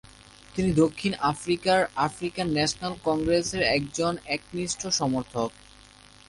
তিনি দক্ষিণ আফ্রিকার আফ্রিকান ন্যাশনাল কংগ্রেসের একজন একনিষ্ঠ সমর্থক।